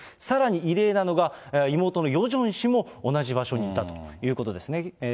さらに異例なのが、妹のヨジョン氏も同じ場所にいたということなんですね。